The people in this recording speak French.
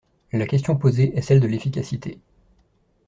La question posée est celle de l’efficacité.